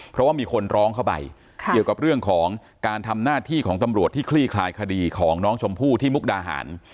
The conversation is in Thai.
เพราะว่ามีคนร้องเข้าไปเกี่ยวกับเรื่องของการทำหน้าที่ของตำรวจที่คลี่คลายคดีของน้องชมพู่ที่มุกดาหาร